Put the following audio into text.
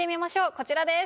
こちらです。